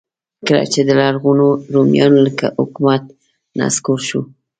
کله چې د لرغونو رومیانو حکومت نسکور شو.